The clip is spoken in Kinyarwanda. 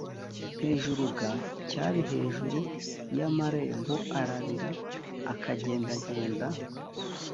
hejuru g cyari hejuru y amarembo ararira akagendagenda